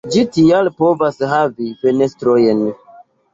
Ĝi tial povas havi fenestrojn.